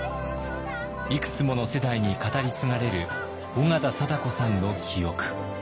いくつもの世代に語り継がれる緒方貞子さんの記憶。